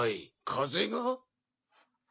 風が？